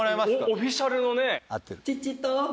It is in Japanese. オフィシャルのね。